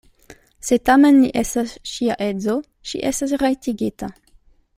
Se tamen li estas ŝia edzo, ŝi estas rajtigita.